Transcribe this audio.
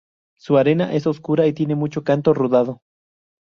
Su arena es oscura y tiene mucho canto rodado.